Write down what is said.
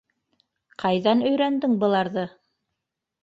Ҡайҙан өйрәндең быларҙы?